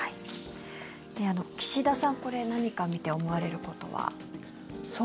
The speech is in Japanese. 岸田さん、これ見て何か思われることは。